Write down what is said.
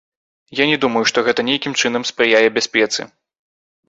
Я не думаю, што гэта нейкім чынам спрыяе бяспецы.